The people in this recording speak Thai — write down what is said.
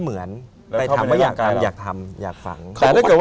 เจ็บไหมครับ